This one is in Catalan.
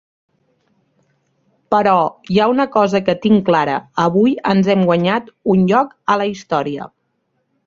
Però hi ha una cosa que tinc clara: avui ens hem guanyat un lloc a la història.